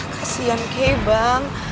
kasian kei bang